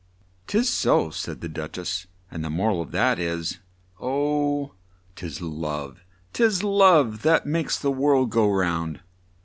"'Tis so," said the Duch ess, "and the mor al of that is 'Oh, 'tis love, 'tis love, that makes the world go round!'"